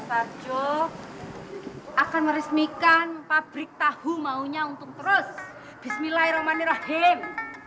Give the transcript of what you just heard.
tarjo akan meresmikan pabrik tahu maunya untuk terus bismillahirrahmanirrahim